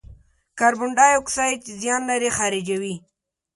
کاربن دای اکساید چې زیان لري، خارجوي.